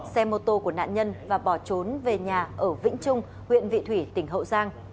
xe mô tô của nạn nhân và bỏ trốn về nhà ở vĩnh trung huyện vị thủy tỉnh hậu giang